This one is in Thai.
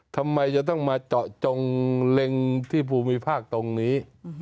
ทำไมจะต้องมาเจาะจงเล็งที่ภูมิภาคตรงนี้